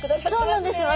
そうなんですよ。